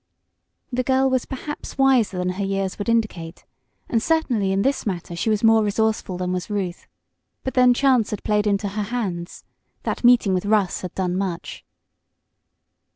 The girl was perhaps wiser than her years would indicate, and certainly in this matter she was more resourceful than was Ruth. But then chance had played into her hands. That meeting with Russ had done much.